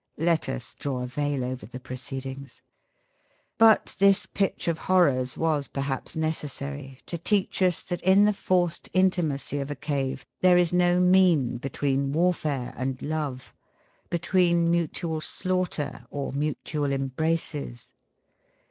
Let us draw a veil over the proceedings. But this pitch of horrors was perhaps necessary to teach us that in the forced intimacy of a cave there is no mean between warfare and love, between mutual slaughter or mutual embraces.